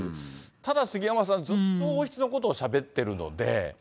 ただ、杉山さん、ずっと王室のことをしゃべっているので。